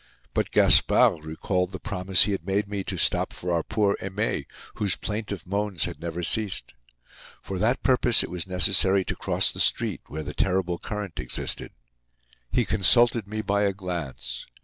But Gaspard recalled the promise he had made me to stop for our poor Aimee, whose plaintive moans had never ceased. For that purpose it was necessary to cross the street, where the terrible current existed. He consulted me by a glance.